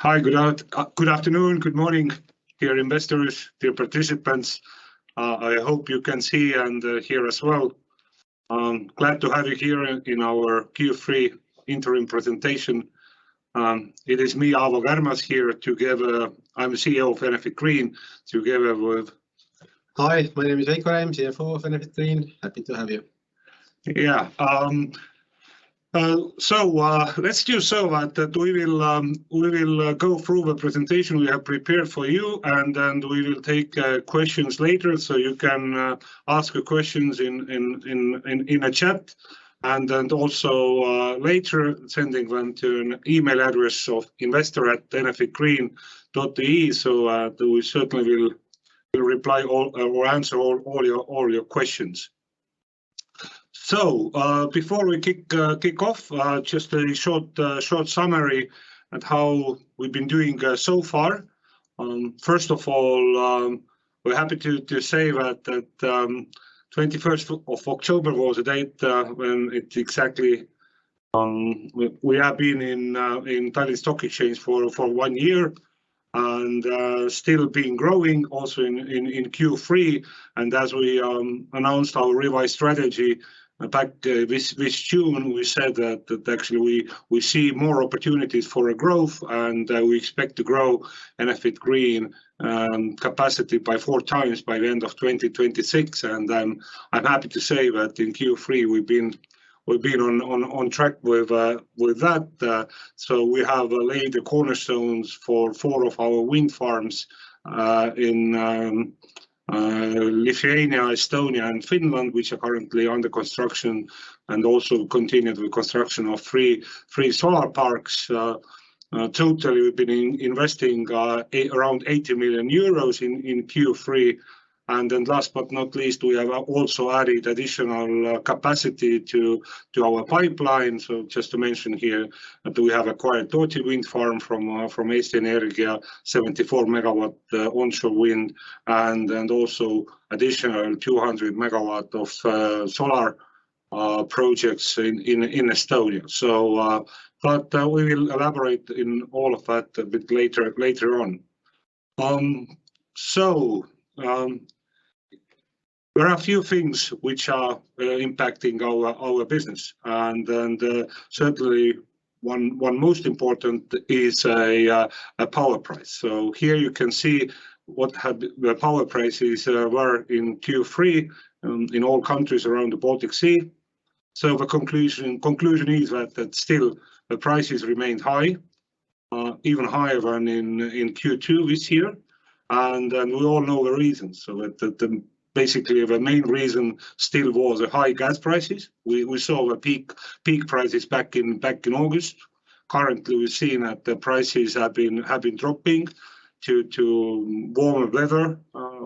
Hi. Good afternoon. Good morning, dear investors, dear participants. I hope you can see and hear us well. Glad to have you here in our Q3 interim presentation. It is me, Aavo Kärmas here together. I'm CEO of Enefit Green, together with. Hi. My name is Veiko Räim, CFO of Enefit Green. Happy to have you. Let's do, so, that. We will go through the presentation we have prepared for you, and then we will take questions later. You can ask your questions in the chat, and then also later sending them to an email address of investor@enefitgreen.ee. We certainly will reply all or answer all your questions. Before we kick off, just a short summary of how we've been doing so far. First of all, we're happy to say that 21st of October was the date when exactly we have been in Tallinn Stock Exchange for one year and still been growing also in Q3. As we announced our revised strategy back this June, we said that actually we see more opportunities for growth and we expect to grow Enefit Green capacity by 4x by the end of 2026. I'm happy to say that in Q3 we've been on track with that. We have laid the cornerstones for four of our wind farms in Lithuania, Estonia and Finland, which are currently under construction, and also continued with construction of three solar parks. Totally we've been investing around 80 million euros in Q3. Last but not least, we have also added additional capacity to our pipeline. Just to mention here that we have acquired Tootsi Wind Farm from Eesti Energia, 74 MW onshore wind and also additional 200 MW of solar projects in Estonia. But we will elaborate on all of that a bit later on. There are a few things which are impacting our business, and then certainly the one most important is a power price. Here you can see what the power prices were in Q3 in all countries around the Baltic Sea. The conclusion is that still the prices remained high, even higher than in Q2 this year, and we all know the reasons. Basically the main reason still was the high gas prices. We saw a peak prices back in August. Currently we're seeing that the prices have been dropping due to warmer weather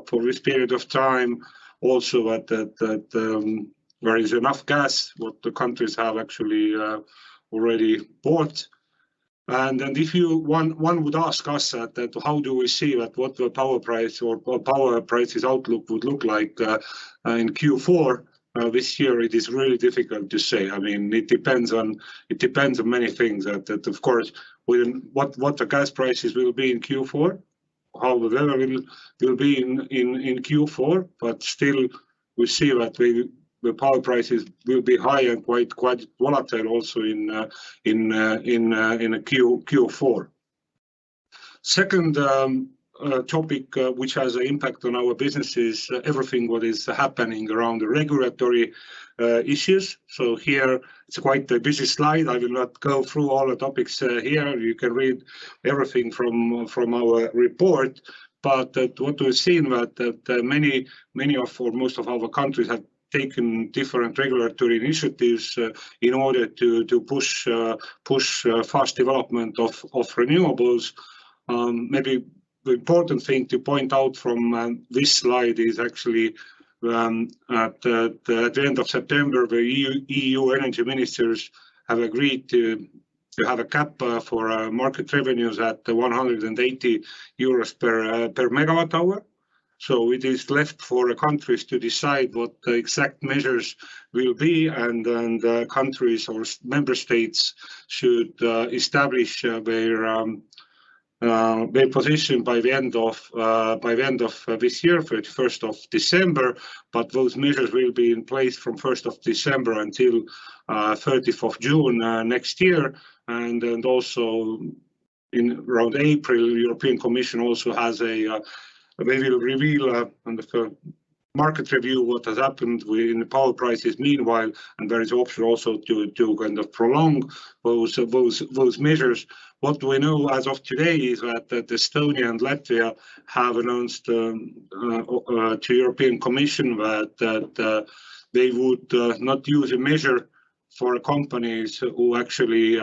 for this period of time. Also there is enough gas what the countries have actually already bought. One would ask us that how do we see that what the power price or power prices outlook would look like in Q4 this year? It is really difficult to say. I mean, it depends on many things. That of course what the gas prices will be in Q4, how the weather will be in Q4. Still we see that the power prices will be high and quite volatile also in Q4. Second topic which has an impact on our business is everything what is happening around the regulatory issues. Here it's quite a busy slide. I will not go through all the topics here. You can read everything from our report. What we've seen that many of or most of our countries have taken different regulatory initiatives in order to push fast development of renewables. Maybe the important thing to point out from this slide is actually at the end of September, the EU energy ministers have agreed to have a cap for market revenues at 180 euros per MWh. It is left for the countries to decide what the exact measures will be, and then the countries or member states should establish their position by the end of this year for 1st of December. Those measures will be in place from 1st of December until 30th of June next year. Also in around April, European Commission also, has a, maybe reveal on the market, review what has happened with the power prices meanwhile, and there is option also to kind of prolong those measures. What we know as of today is that Estonia and Latvia have announced to European Commission that they would not use a measure for companies who actually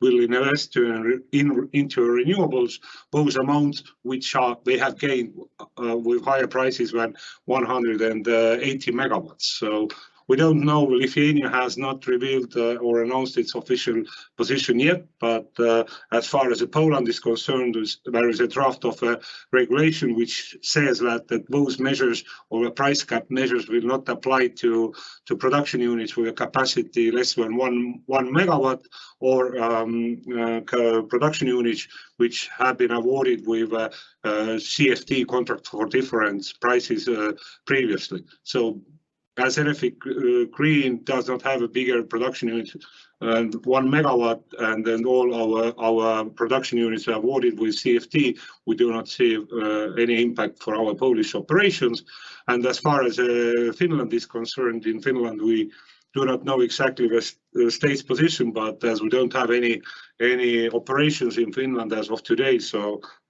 will invest into renewables. Those amounts which are they have gained with higher prices than 180 MW. We don't know. Lithuania has not revealed or announced its official position yet. As far as Poland is concerned, there is a draft of a regulation which says that those measures or price cap measures will not apply to production units with a capacity less than 1 MW or production units which have been awarded with CFD, Contract for Difference prices, previously. As Enefit Green does not have a bigger production unit than 1 MW, and all our production units are awarded with CFD, we do not see any impact for our Polish operations. As far as Finland is concerned, in Finland, we do not know exactly the state's position, but as we don't have any operations in Finland as of today,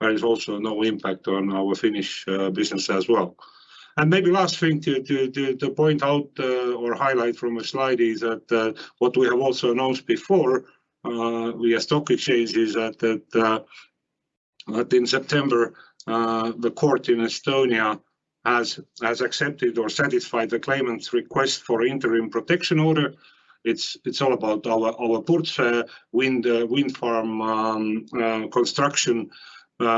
there is also no impact on our Finnish business as well. Maybe last thing to point out or highlight from the slide is that what we have also announced before via stock exchanges that in September the court in Estonia has accepted or satisfied the claimant's request for interim protection order. It's all about our Purtse wind farm construction.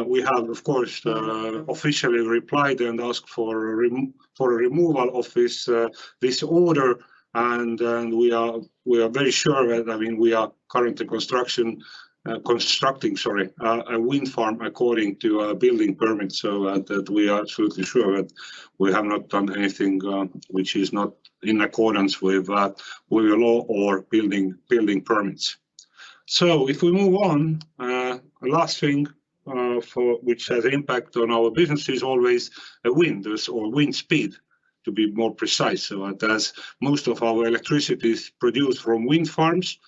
We have, of course, officially replied and asked for removal of this order. We are very sure that I mean we are currently constructing a wind farm according to a building permit, so that we are absolutely sure that we have not done anything which is not in accordance with the law or building permits. If we move on, the last thing which has an impact on our business is always wind or wind speed, to be more precise. As most of our electricity is produced from wind farms,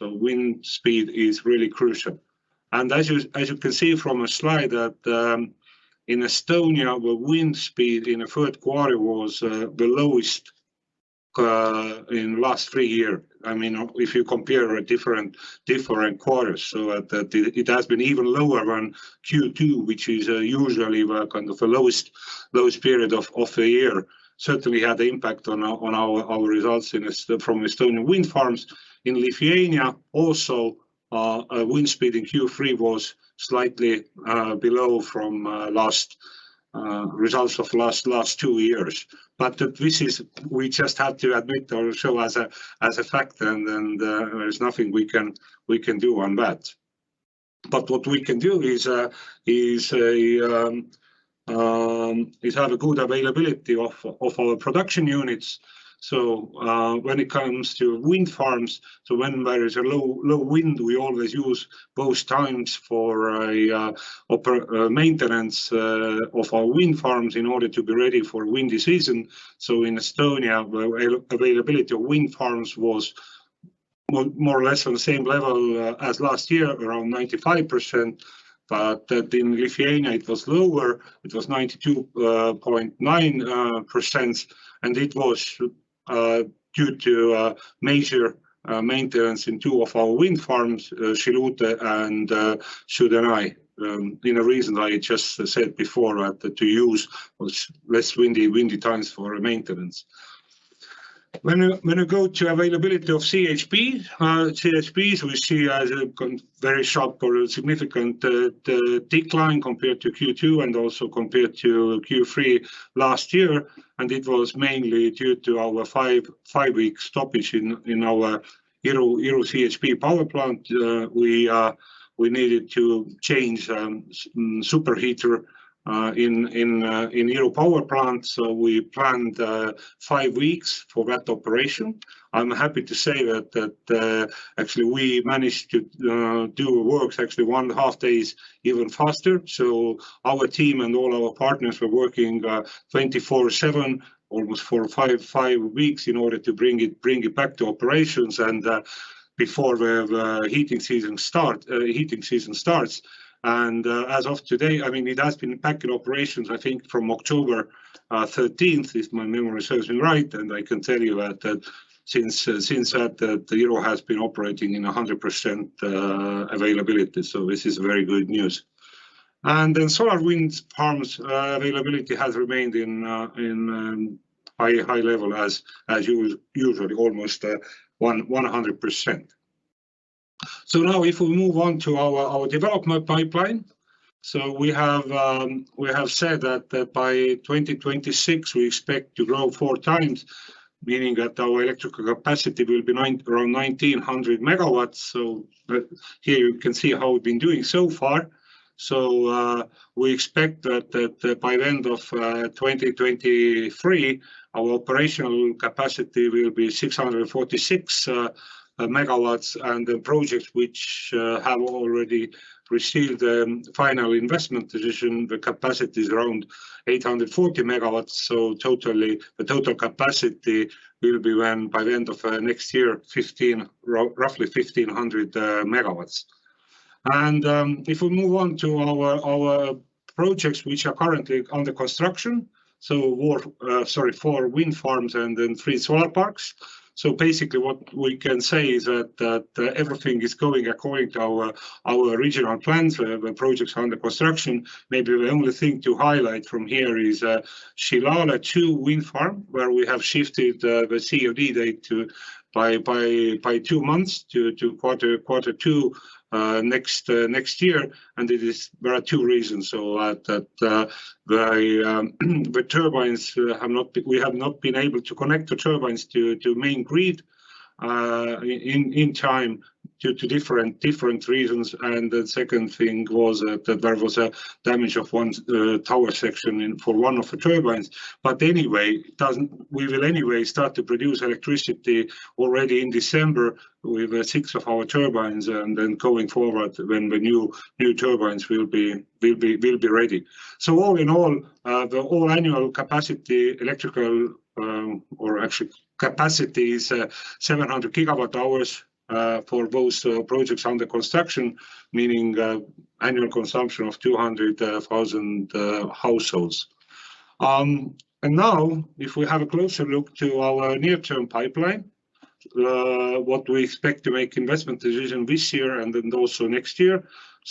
wind speed is really crucial. As you can see from the slide that in Estonia, the wind speed in the third quarter was the lowest in the last three years. I mean, if you compare different quarters, it has been even lower than Q2, which is usually kind of the lowest period of the year. Certainly had an impact on our results from Estonian wind farms. In Lithuania also, wind speed in Q3 was slightly below the results from the last two years. This is, we just had to admit or show as a fact, and there's nothing we can do on that. What we can do is have a good availability of our production units. When it comes to wind farms, when there is a low wind, we always use those times for maintenance of our wind farms in order to be ready for windy season. In Estonia, availability of wind farms was more or less on the same level as last year, around 95%. In Lithuania it was lower. It was 92.9%, and it was due to major maintenance in two of our wind farms, Šilutė and Sudenai, for the reason I just said before, to use those less windy times for maintenance. When you go to availability of CHP, CHPs, we see a very sharp or significant decline compared to Q2 and also compared to Q3 last year. It was mainly due to our five-week stoppage in our Iru CHP Power Plant. We needed to change superheater in Iru Power Plant. We planned five weeks for that operation. I'm happy to say that actually we managed to do works actually one and a half days even faster. Our team and all our partners were working 24/7, almost 45 weeks in order to bring it back to operations and before the heating season starts. As of today, I mean, it has been back in operations, I think, from October 13th, if my memory serves me right. I can tell you that since that, the Iru has been operating in 100% availability. This is very good news. Solar and wind farms availability has remained in a high level as usual, almost 100%. Now if we move on to our development pipeline. We have said that by 2026 we expect to grow four times, meaning that our electrical capacity will be around 1,900 MW. Here you can see how we've been doing so far. We expect that by the end of 2023, our operational capacity will be 646 MW. The projects which have already received final investment decision, the capacity is around 840 MW. The total capacity will be by the end of next year, roughly 1,500 MW. If we move on to our projects which are currently under construction. Four wind farms and then three solar parks. Basically what we can say is that everything is going according to our regional plans. The projects under construction, maybe the only thing to highlight from here is Šilalė II wind farm, where we have shifted the COD date by two months to quarter two next year. There are two reasons. We have not been able to connect the turbines to main grid in time due to different reasons. The second thing was that there was damage of one tower section for one of the turbines. We will anyway start to produce electricity already in December with six of our turbines, and then going forward when the new turbines will be ready. All in all, the whole annual capacity, electrical, or actually capacity is 700 GWh for both projects under construction, meaning annual consumption of 200,000 households. Now if we have a closer look to our near-term pipeline, what we expect to make investment decision this year and then also next year.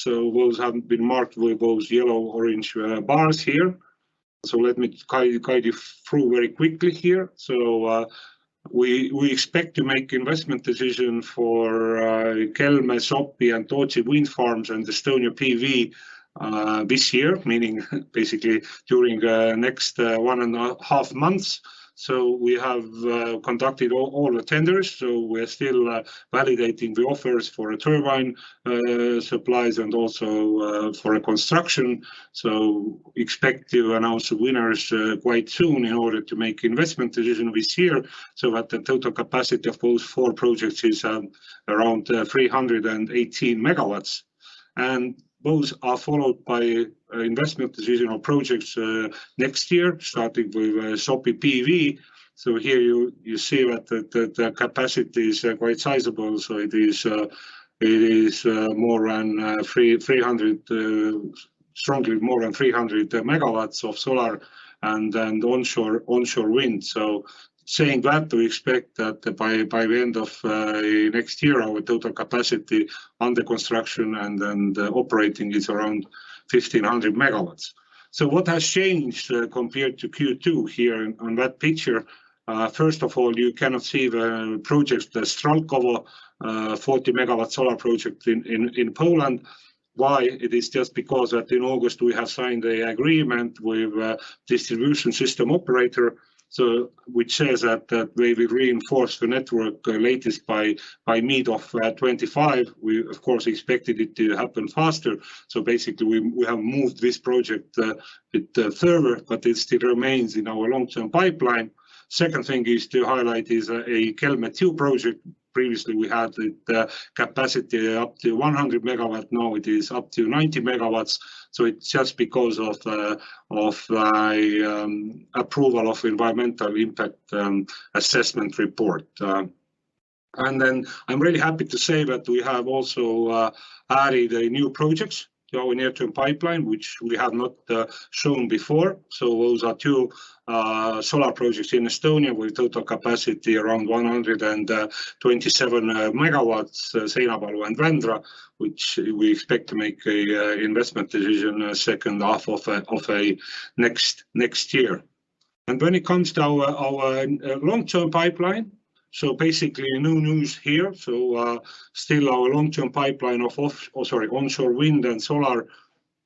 Those have been marked with those yellow-orange bars here. Let me guide you through very quickly here. We expect to make investment decision for Kelmė, Sopi-Tootsi wind farms and Estonia PV this year, meaning basically during next one and a half months. We have conducted all the tenders. We're still validating the offers for the turbine supplies and also for construction. Expect to announce the winners quite soon in order to make investment decision this year. That the total capacity of those four projects is around 318 MW, and those are followed by investment decision on projects next year, starting with Sopi PV. Here you see that the capacity is quite sizable. It is more than 300, strongly, more than 300 MW of solar and onshore wind. Saying that, we expect that by the end of next year, our total capacity under construction and then the operating is around 1,500 MW. What has changed compared to Q2 here on that picture? First of all, you cannot see the projects, the Strzałkowo 40 MW solar project in Poland. Why? It is just because that in August we have signed a agreement with distribution system operator. Which says that we will reinforce the network latest by mid of 2025. We of course expected it to happen faster. Basically we have moved this project a bit further, but it still remains in our long-term pipeline. Second thing to highlight is a Kelmė II project. Previously we had the capacity up to 100 MW, now it is up to 90 MW. It's just because of approval of environmental impact assessment report. Then I'm really happy to say that we have also added a new projects to our near-term pipeline, which we have not shown before. Those are two solar projects in Estonia with total capacity around 127 MW, Seinäjoki and Rendra, which we expect to make a investment decision second half of next year. When it comes to our long-term pipeline, basically no news here. Still our long-term pipeline of onshore wind and solar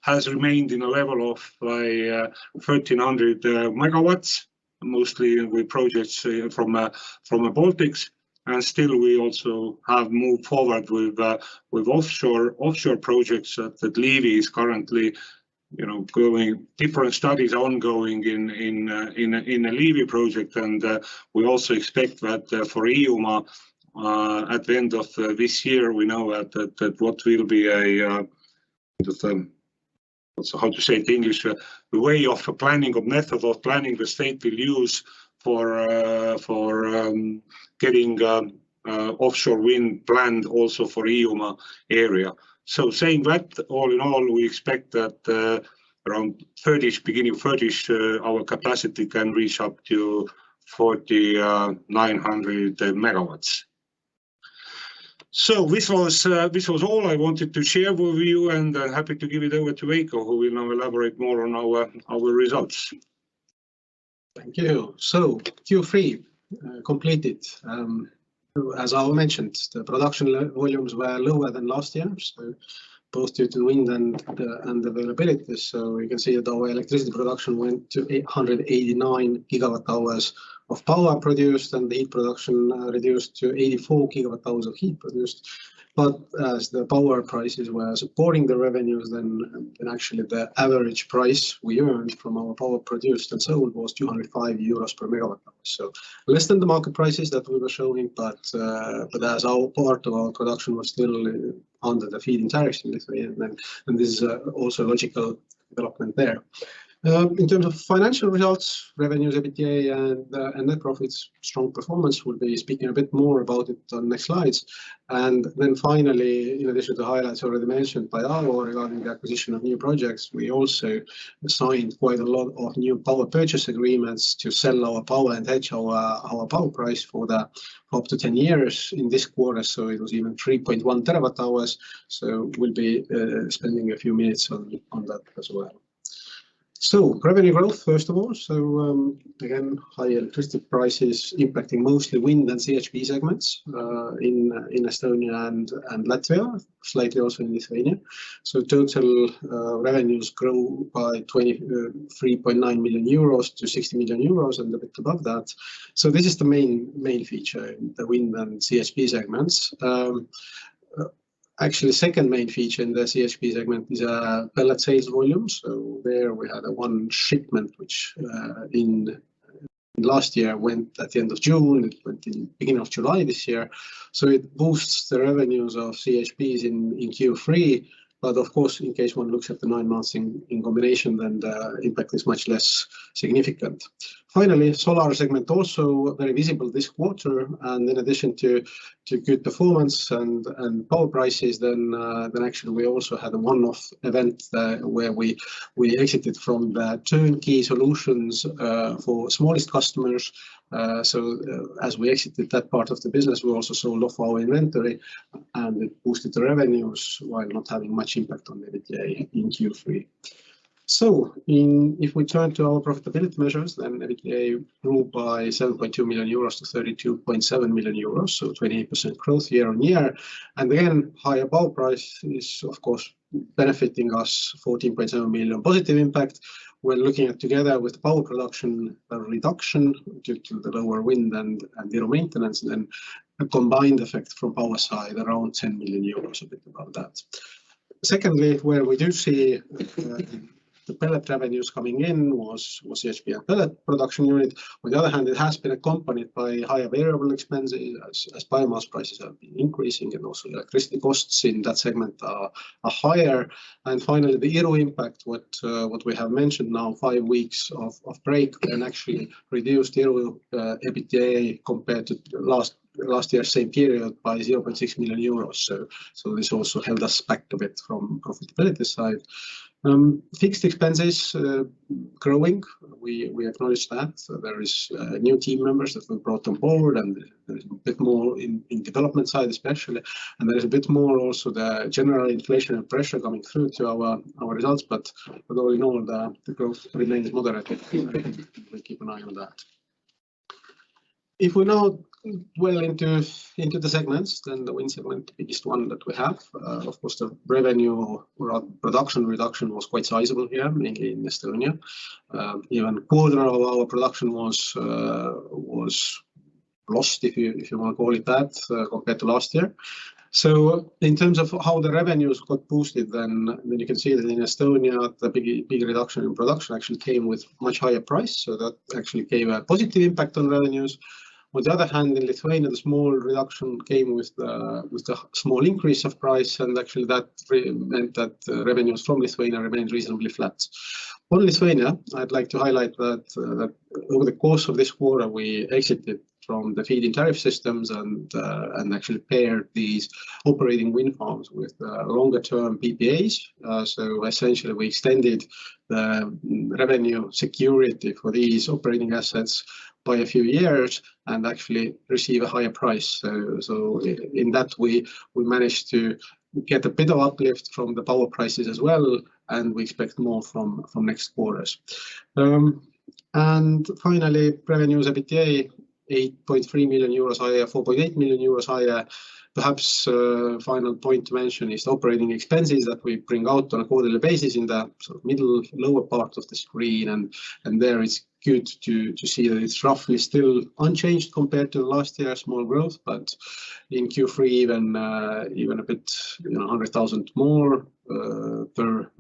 has remained in a level of 1,300 MW, mostly with projects from the Baltics. We also have moved forward with offshore projects that Liivi is currently, you know, growing. Different studies are ongoing in the Liivi project. We also expect that for Hiiumaa at the end of this year, we know that what will be the way of planning or method of planning the state will use for getting offshore wind planned also for Hiiumaa area. Saying that, all in all, we expect that around 2030-ish, beginning 2030-ish, our capacity can reach up to 4,900 MW. This was all I wanted to share with you, and I'm happy to give it over to Veiko Räim, who will now elaborate more on our results. Thank you. Q3 completed. As Aavo mentioned, the production levels were lower than last year, both due to wind and availability. You can see that our electricity production went to 889 GWh of power produced, and the heat production reduced to 84 GWh of heat produced. As the power prices were supporting the revenues then, actually the average price we earned from our power produced and sold was 205 euros per MW. Less than the market prices that we were showing, but as our part of our production was still under the feed-in tariff literally, and then there's also logical development there. In terms of financial results, revenues, EBITDA and net profits, strong performance. We'll be speaking a bit more about it on the next slides. Finally, in addition to the highlights already mentioned by Aavo regarding the acquisition of new projects, we also signed quite a lot of new power purchase agreements to sell our power and hedge our power price for up to ten years in this quarter. It was even 3.1 TWh hours. We'll be spending a few minutes on that as well. Revenue growth first of all. Again, high electricity prices impacting mostly wind and CHP segments in Estonia and Latvia, slightly also in Lithuania. Total revenues grew by 23.9 million euros to 60 million euros and a bit above that. This is the main feature in the wind and CHP segments. Actually second main feature in the CHP segment is pellet sales volume. There we had one shipment which in last year went at the end of June. It went in beginning of July this year. It boosts the revenues of CHPs in Q3, but of course, in case one looks at the nine months in combination then the impact is much less significant. Finally, solar segment also very visible this quarter, and in addition to good performance and power prices, then actually we also had a one-off event, where we exited from the turnkey solutions for smallest customers. As we exited that part of the business, we also sold off our inventory, and it boosted the revenues while not having much impact on EBITDA in Q3. If we turn to our profitability measures, EBITDA grew by 7.2 million euros to 32.7 million euros, 28% growth year-on-year. Again, higher power price is of course benefiting us, 14.7 million positive impact. We're looking at together with power production reduction due to the lower wind and Iru maintenance, a combined effect from power side around 10 million euros, a bit above that. Secondly, where we do see the pellet revenues coming in was the CHP pellet production unit. On the other hand, it has been accompanied by higher variable expenses as biomass prices have been increasing and also electricity costs in that segment are higher. Finally, the Iru impact, what we have mentioned now, five weeks of break then actually reduced Iru EBITDA compared to last year same period by 0.6 million euros. This also held us back a bit from profitability side. Fixed expenses growing, we acknowledge that. There is new team members that we brought on board, and there's a bit more in development side especially, and there is a bit more also the general inflation and pressure coming through to our results. Although we know the growth remains moderate. We'll keep an eye on that. If we now go into the segments, then the wind segment, biggest one that we have. Of course, the revenue or production reduction was quite sizable here, mainly in Estonia. Even quarter of our production was lost, if you want to call it that, compared to last year. In terms of how the revenues got boosted then, I mean, you can see that in Estonia, the big reduction in production actually came with much higher price. That actually gave a positive impact on revenues. On the other hand, in Lithuania, the small reduction came with the small increase of price, and actually that meant that revenues from Lithuania remained reasonably flat. On Lithuania, I'd like to highlight that over the course of this quarter, we exited from the feed-in tariff systems and actually paired these operating wind farms with longer term PPAs. Essentially we extended the revenue security for these operating assets by a few years and actually receive a higher price. In that way, we managed to get a bit of uplift from the power prices as well, and we expect more from next quarters. Finally, revenues, EBITDA, 8.3 million euros higher, 4.8 million euros higher. Perhaps, final point to mention is the operating expenses that we bring out on a quarterly basis in the sort of middle lower part of the screen. There it's good to see that it's roughly still unchanged compared to last year, small growth. In Q3, even a bit, you know, 100 more per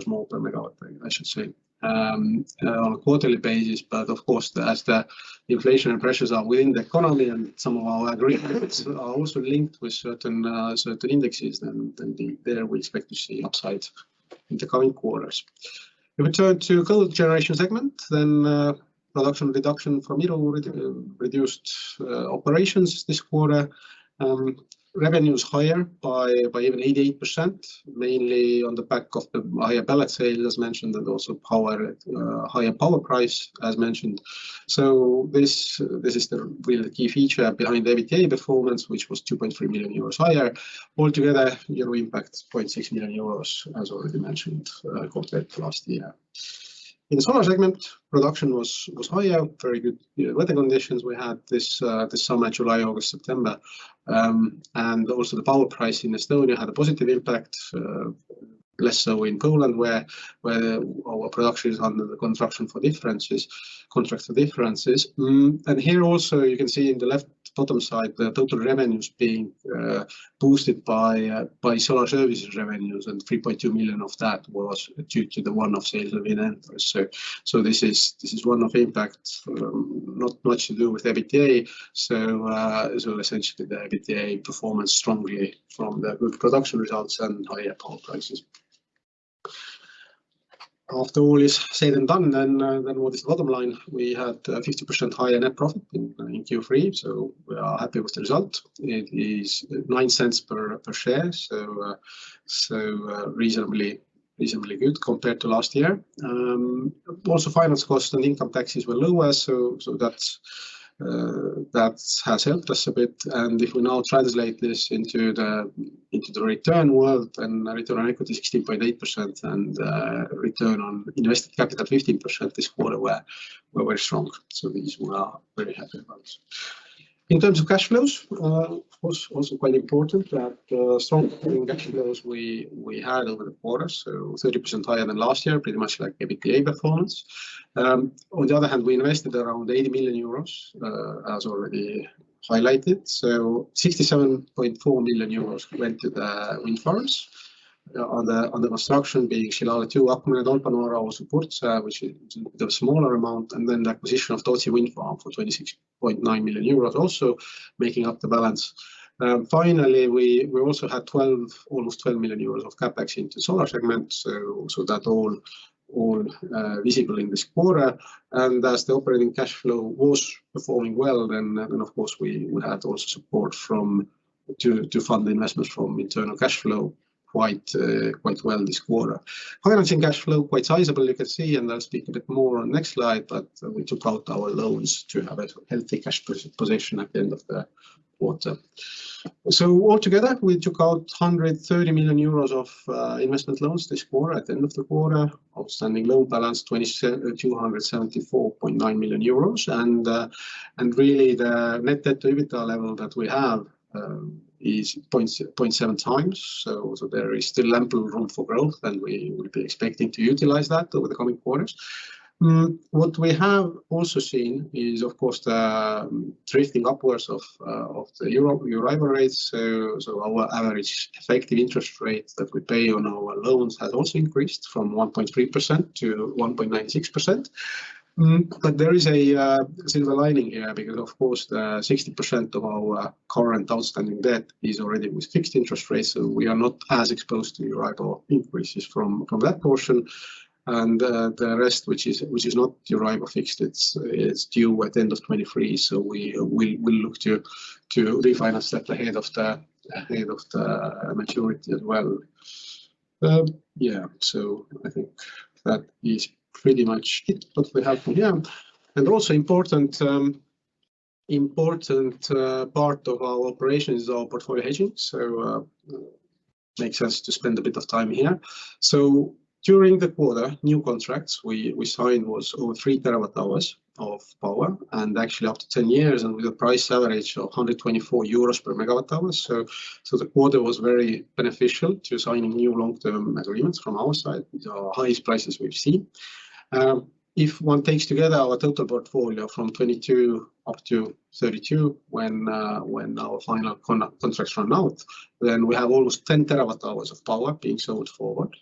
MW, I should say, on a quarterly basis. Of course, as the inflation and pressures are within the economy and some of our agreements are also linked with certain indexes, then there we expect to see upside in the coming quarters. If we turn to coal generation segment, production reduction from Iru reduced operations this quarter. Revenues higher by even 88%, mainly on the back of the higher pellet sales as mentioned, and also power, higher power price as mentioned. This is the really key feature behind the EBITDA performance, which was 2.3 million euros higher. Altogether, Iru impact 0.6 million euros as already mentioned, compared to last year. In solar segment, production was higher. Very good weather conditions we had this summer, July, August, September. The power price in Estonia had a positive impact. Less so in Poland where our production is under the contracts for differences. Here also you can see in the left bottom side the total revenues being boosted by solar services revenues, and 3.2 million of that was due to the one-off sales of Brocēni. This is one-off impact, not much to do with EBITDA. Essentially the EBITDA performance strongly from the production results and higher power prices. After all is said and done, what is the bottom line? We had 50% higher net profit in Q3, so we are happy with the result. It is 0.09 per share, so reasonably good compared to last year. Finance costs and income taxes were lower, so that's that has helped us a bit. If we now translate this into the return world, then return on equity is 16.8% and return on invested capital 15% this quarter were very strong. These we're very happy about. In terms of cash flows, was also quite important that strong operating cash flows we had over the quarter, so 30% higher than last year, pretty much like EBITDA performance. On the other hand, we invested around 80 million euros, as already highlighted. 67.4 million euros went to the wind farms on the construction being Šilalė II, Akmenė and Tolpanvaara all supports, which is the smaller amount, and then the acquisition of Tootsi Wind Farm for 26.9 million euros also making up the balance. Finally, we also had almost 12 million euros of CapEx into solar segment, so that all visible in this quarter. As the operating cash flow was performing well, then of course, we had also support from, to fund the investment from internal cash flow quite well this quarter. Financing cash flow quite sizable, you can see, and I'll speak a bit more on next slide, but we took out our loans to have a healthy cash position at the end of the quarter. Altogether, we took out 130 million euros of investment loans this quarter. At the end of the quarter, outstanding loan balance 274.9 million euros. Really the net debt to EBITDA level that we have is 0.7x. There is still ample room for growth, and we will be expecting to utilize that over the coming quarters. What we have also seen is, of course, the drifting upwards of the EURIBOR rates. Our average effective interest rate that we pay on our loans has also increased from 1.3% to 1.96%. There is a silver lining here because, of course, the 60% of our current outstanding debt is already with fixed interest rates, so we are not as exposed to EURIBOR increases from that portion. The rest, which is not EURIBOR fixed, it's due at the end of 2023. We will look to refinance that ahead of the maturity as well. I think that is pretty much it. What we have here. Also important part of our operation is our portfolio hedging. Makes sense to spend a bit of time here. During the quarter, new contracts we signed was over 3 TWh of power, and actually up to 10 years and with a price average of 124 euros per MWh. The quarter was very beneficial to signing new long-term agreements from our side, the highest prices we've seen. If one takes together our total portfolio from 2022 up to 2032 when our final contracts run out, then we have almost 10 TWh of power being sold forward.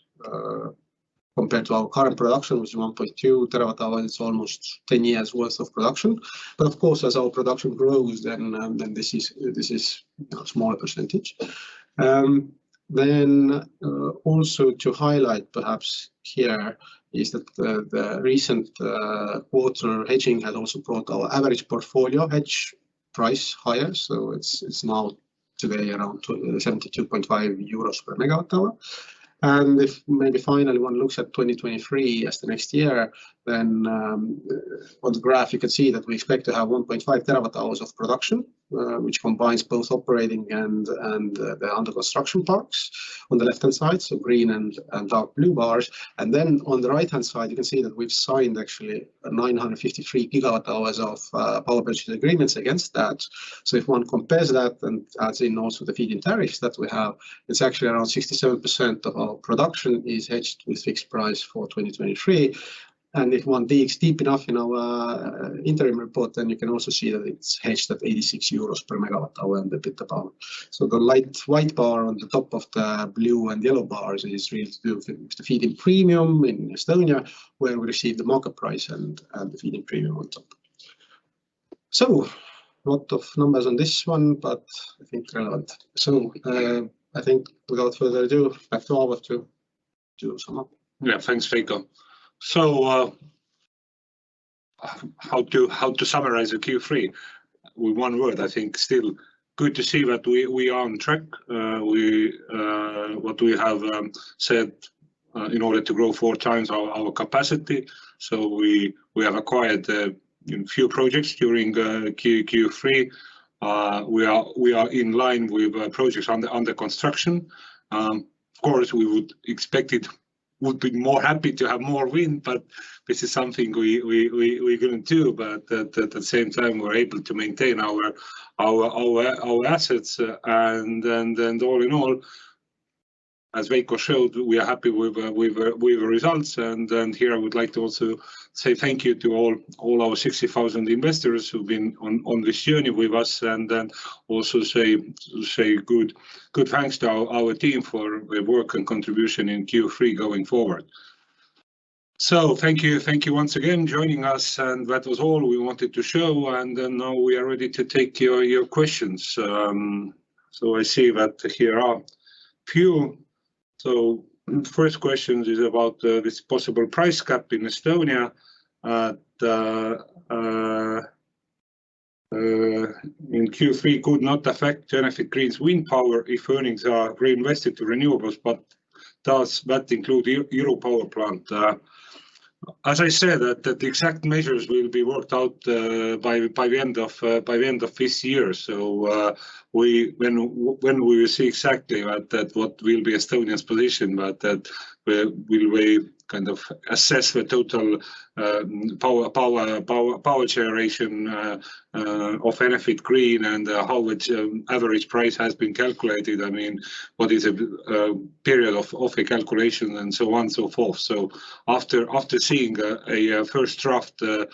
Compared to our current production, which is 1.2 TWh, it's almost 10 years worth of production. But of course, as our production grows, then this is a smaller percentage. Also to highlight perhaps here is that the recent quarter hedging has also brought our average portfolio hedge price higher. It's now today around 272.5 euros per MWh. If maybe finally one looks at 2023 as the next year, then on the graph you can see that we expect to have 1.5 TWh of production, which combines both operating and the under construction parks on the left-hand side, so green and dark blue bars. Then on the right-hand side, you can see that we've signed actually 953 GWh of power purchase agreements against that. If one compares that and adds in also the feed-in tariffs that we have, it's actually around 67% of our production is hedged with fixed price for 2023. If one digs deep enough in our interim report, then you can also see that it's hedged at 86 euros per MWh in the grid above. The light white bar on the top of the blue and yellow bars is really to do with the feed-in premium in Estonia, where we receive the market price and the feed-in premium on top. Lot of numbers on this one, but I think they're not. I think without further ado, back to Aavo to sum up. Yeah. Thanks, Veiko. How to summarize the Q3? With one word, I think still good to see that we are on track. What we have said in order to grow 4x our capacity. We have acquired, you know, few projects during Q3. We are in line with projects under construction. Of course, we would expect it. We'd be more happy to have more wind, but this is something we couldn't do. At the same time, we're able to maintain our assets. All in all, as Veiko showed, we are happy with the results. Here I would like to also say thank you to all our 60,000 investors who've been on this journey with us, and then also say good thanks to our team for their work and contribution in Q3 going forward. Thank you. Thank you once again joining us, and that was all we wanted to show. Now we are ready to take your questions. I see that here are few. First question is about this possible price cap in Estonia in Q3 could not affect Enefit Green's wind power if earnings are reinvested to renewables, but does that include Iru Power Plant? As I said, that exact measures will be worked out by the end of this year. So we. When we see exactly that what will be Estonia's position, but we will kind of assess the total power generation of Enefit Green and how much average price has been calculated. I mean, what is period of a calculation and so on, so forth. After seeing a first draft of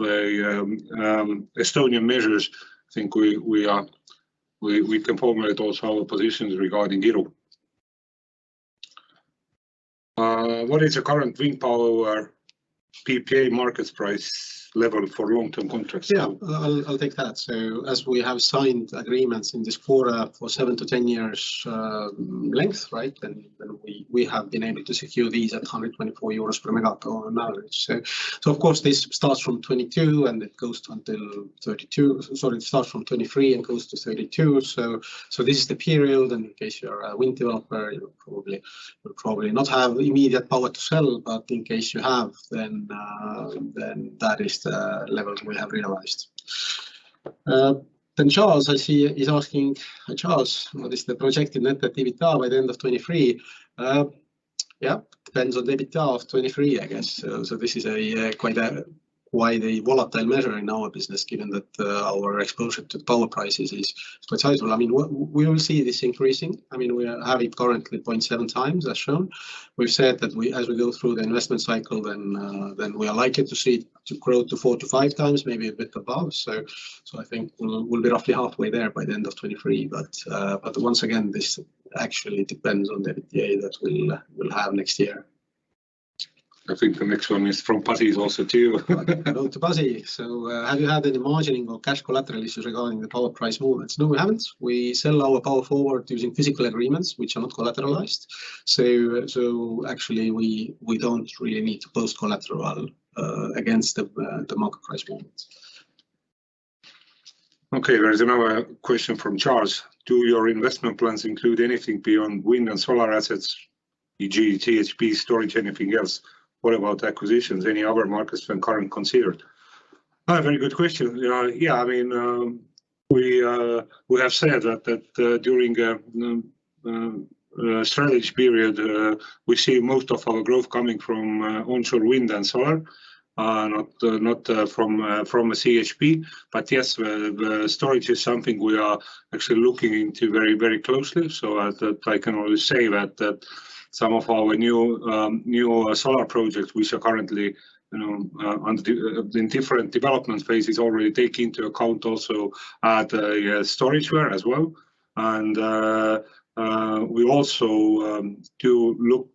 Estonian measures, I think we can formulate also our positions regarding Euro. What is the current wind power PPA markets price level for long-term contracts? I'll take that. As we have signed agreements in this quarter for 7-10 years length, right? We have been able to secure these at 124 euros per MW on average. Of course, this starts from 2022, and it goes until 2032. Sorry, it starts from 2023 and goes to 2032. This is the period, and in case you're a wind developer, you probably not have immediate power to sell. In case you have, that is the level we have realized. Charles, I see, is asking. Charles, what is the projected net activity by the end of 2023? Yeah, depends on the EBITDA of 2023, I guess. This is quite a volatile measure in our business given that our exposure to power prices is quite high. I mean, we will see this increasing. I mean, we have it currently 0.7x as shown. We've said that as we go through the investment cycle then we are likely to see it to grow to 4x-5x times, maybe a bit above. I think we'll be roughly halfway there by the end of 2023. But once again, this actually depends on the EBITDA that we'll have next year. I think the next one is from Pasi. It's also to you. Hello to Pasi. Have you had any margining or cash collateral issues regarding the power price movements? No, we haven't. We sell our power forward using physical agreements, which are not collateralized. Actually, we don't really need to post collateral against the market price movements. Okay, there is another question from Charles. Do your investment plans include anything beyond wind and solar assets, e.g., CHP, storage, anything else? What about acquisitions? Any other markets than current considered? Very good question. Yeah, I mean, we have said that during the strategic period, we see most of our growth coming from onshore wind and solar, not from CHP. Yes, storage is something we are actually looking into very, very closely. To that, I can only say that some of our new solar projects, which are currently, you know, in different development phases already take into account also the storage as well. We also do look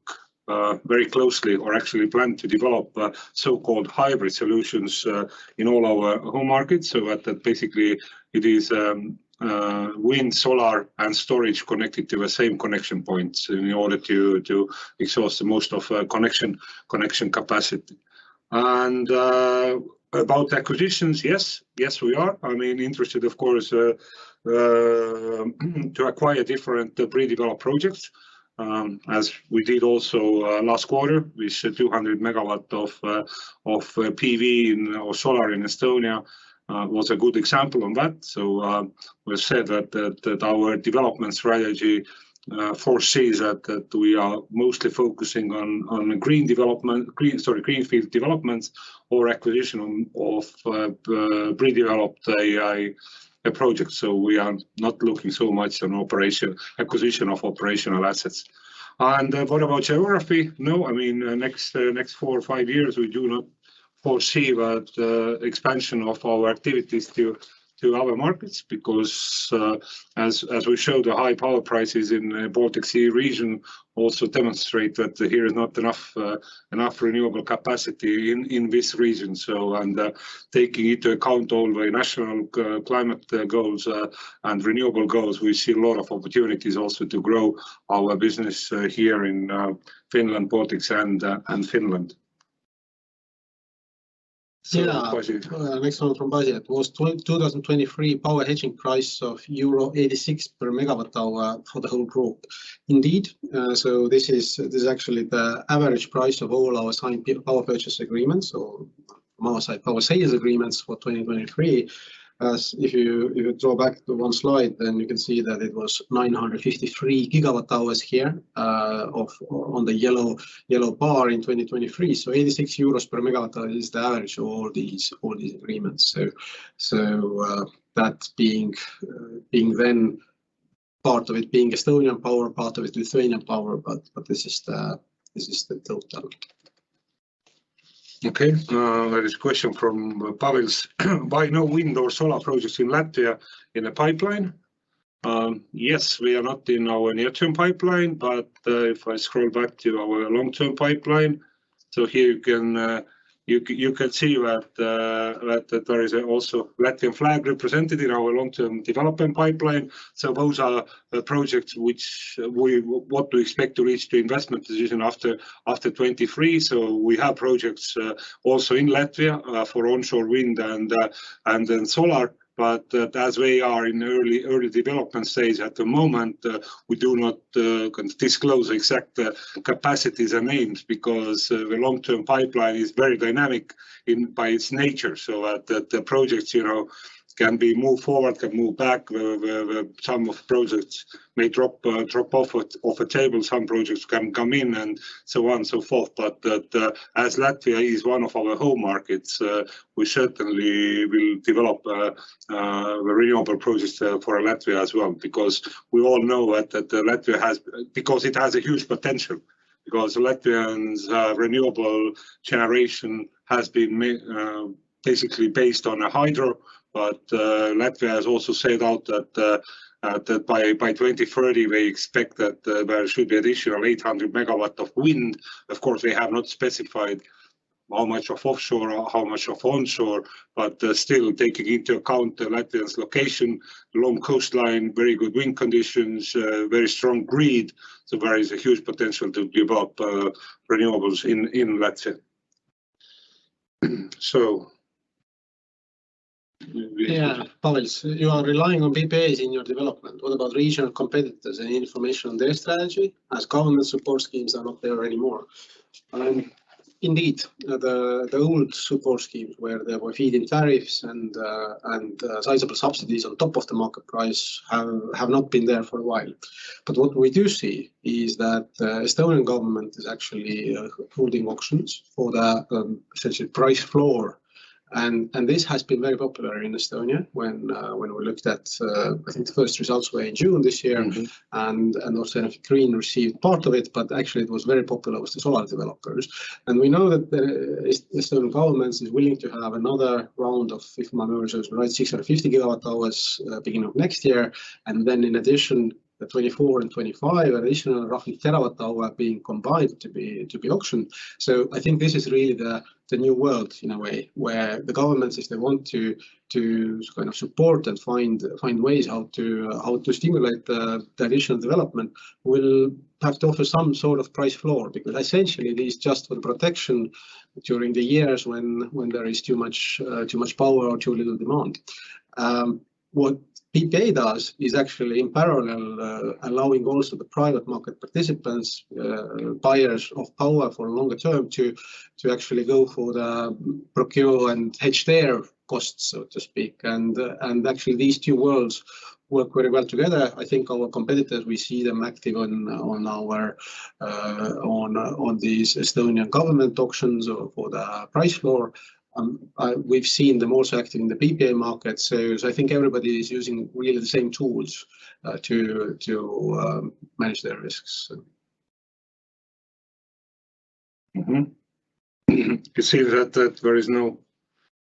very closely or actually plan to develop so-called hybrid solutions in all our home markets. At that, basically, it is wind, solar, and storage connected to the same connection points in order to exhaust the most of connection capacity. About acquisitions, yes. We are, I mean, interested, of course, to acquire different pre-developed projects, as we did also last quarter with 200 MW of PV or solar in Estonia, was a good example of that. We said that our development strategy foresees that we are mostly focusing on greenfield developments or acquisition of pre-developed AI projects. We are not looking so much on acquisition of operational assets. What about geography? No, I mean, next four or five years, we do not foresee that expansion of our activities to other markets because, as we showed, the high power prices in Baltic Sea region also demonstrate that here is not enough renewable capacity in this region. Taking into account all the national climate goals and renewable goals, we see a lot of opportunities also to grow our business here in Finland, Baltics, and Finland. Pasi. Next one from Pasi. Was 2023 power hedging price of euro 86 per MWh for the whole group? Indeed. This is actually the average price of all our signed power purchase agreements or power sales agreements for 2023. If you draw back to one slide, then you can see that it was 953 GWh here on the yellow bar in 2023. 86 euros per MWh is the average for all these agreements. That being then part of it being Estonian power, part of it Lithuanian power, but this is the total. Okay. There is question from Pavels. Why no wind or solar projects in Latvia in the pipeline? Yes, we are not in our near-term pipeline, but if I scroll back to our long-term pipeline. Here you can see that there is also Latvian flag represented in our long-term development pipeline. Those are projects which we want to expect to reach the investment decision after 2023. We have projects also in Latvia for onshore wind and then solar. As we are in early development stage at the moment, we cannot disclose exact capacities and names because the long-term pipeline is very dynamic by its nature so that the projects, you know, can be moved forward, can move back. Some projects may drop off a table, some projects can come in, and so on and so forth. As Latvia is one of our home markets, we certainly will develop renewable projects for Latvia as well because we all know that Latvia has a huge potential, because it has a huge potential. Latvia's renewable generation has been basically based on hydro. Latvia has also set out that by 2030, they expect that there should be additional 800 MW of wind. Of course, they have not specified how much of offshore or how much of onshore, but still taking into account the Latvia's location, long coastline, very good wind conditions, very strong grid, so there is a huge potential to develop renewables in Latvia. Yeah, Pavels: You are relying on PPAs in your development. What about regional competitors and information on their strategy, as government support schemes are not there anymore? Indeed, the old support schemes where there were feed-in tariffs and sizable subsidies on top of the market price have not been there for a while. What we do see is that Estonian government is actually holding auctions for the essentially price floor. This has been very popular in Estonia when we looked at I think the first results were in June this year. Mm-hmm. Also Green received part of it, but actually it was very popular with the solar developers. We know that the Estonian government is willing to have another round of CfD auctions, right, 650 GWh beginning of next year. In addition, the 2024 and 2025, additional roughly 1 TWh being combined to be auctioned. I think this is really the new world in a way where the governments, if they want to kind of support and find ways how to stimulate the additional development, will have to offer some sort of price floor because essentially it is just for protection during the years when there is too much power or too little demand. What PPA does is actually in parallel, allowing also the private market participants, buyers of power for longer term to actually go for the procurement and hedge their costs, so to speak, and actually these two worlds work very well together. I think our competitors, we see them active on these Estonian government auctions or for the price floor. We've seen them also active in the PPA market. I think everybody is using really the same tools to manage their risks. You see that there is no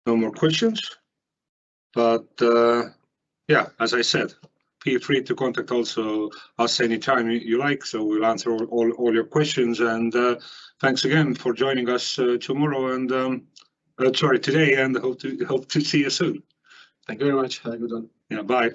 more questions. But yeah, as I said, feel free to contact also us any time you like, so we'll answer all your questions. Thanks again for joining us today, and hope to see you soon. Thank you very much. Have a good one. Yeah, bye.